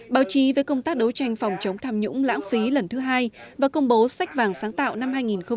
báo chí với công tác đấu tranh phòng chống tham nhũng lãng phí lần thứ hai và công bố sách vàng sáng tạo năm hai nghìn một mươi chín